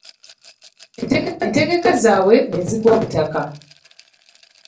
Entegeka zaabwe ne zigwa butaka.